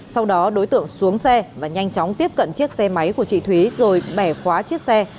sau đó đối tượng xuống xe và nhanh chóng tiếp cận chiếc xe máy của chị thúy rồi bẻ khóa chiếc xe